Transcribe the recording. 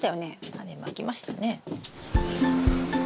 タネまきましたね。